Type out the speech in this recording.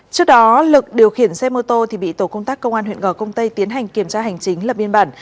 trước đó lực điều khiển xe mô tô thì bị tổ công tác công an huyện gò công tây tiến hành kiểm tra hành chính là biên bản